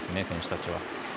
選手たちは。